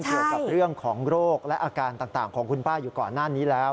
เกี่ยวกับเรื่องของโรคและอาการต่างของคุณป้าอยู่ก่อนหน้านี้แล้ว